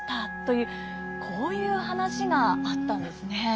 というこういう話があったんですね。